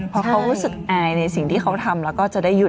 เพราะเขารู้สึกอายในสิ่งที่เขาทำแล้วก็จะได้หยุด